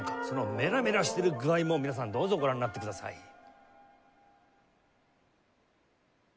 そのメラメラしてる具合も皆さんどうぞご覧になってください。